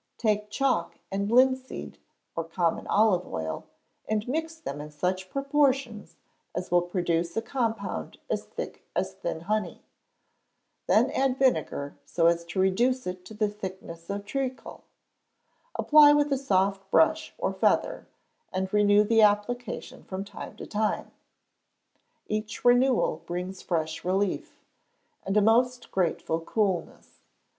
Take chalk and linseed, or common olive oil, and mix them in such proportions as will produce a compound as thick as thin honey; then add vinegar so as to reduce it to the thickness of treacle; apply with a soft brush or feather, and renew the application from time to time. Each renewal brings fresh relief, and a most grateful coolness.